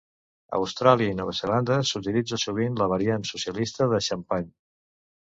A Austràlia i Nova Zelanda, s'utilitza sovint la variant "socialista de xampany".